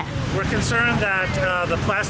kami berpikir bahwa